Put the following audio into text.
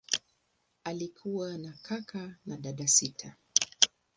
Alikuwa na kaka na dada sita.